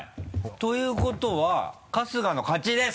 ということは春日の勝ちです。